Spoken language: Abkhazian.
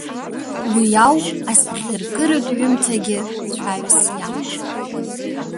Уи ауп асахьаркыратә ҩымҭагьы цәаҩас иамоу.